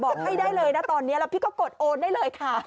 บอกให้ได้เลยนะตอนนี้แล้วพี่ก็กดโอนได้เลยค่ะ